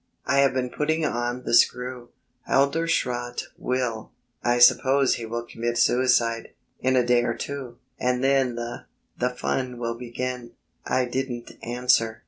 I have been putting on the screw. Halderschrodt will ... I suppose he will commit suicide, in a day or two. And then the the fun will begin." I didn't answer.